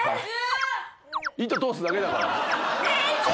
糸通すだけだから。